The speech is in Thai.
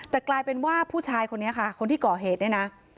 แต่กลายเป็นว่าผู้ชายคนนี้ค่ะคนที่ก่อเหตุเนี่ยนะ